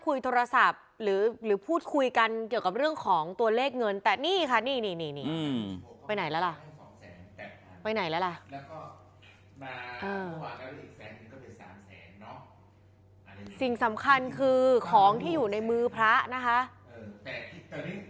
ในตำบวนศาสตร์ที่ได้มาจากอดีตคนใกล้ชิดเจ้าอาวาสวัดแห่งหนึ่งในตำบวนศาสตร์ที่ได้มาจากอดีตคนใกล้ชิดเจ้าอาวาสวัดแห่งหนึ่งในตำบวนศาสตร์ที่ได้มาจากอดีตคนใกล้ชิดเจ้าอาวาสวัดแห่งหนึ่งในตำบวนศาสตร์ที่ได้มาจากอดีตคนใกล้ชิดเจ้าอาวาสวัดแห่งหนึ่งในตำบวนศ